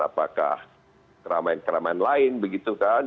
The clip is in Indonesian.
apakah keramain keramain lain begitu kan